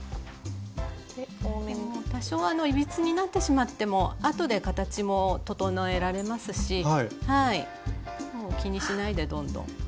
多少いびつになってしまってもあとで形も整えられますしもう気にしないでどんどん。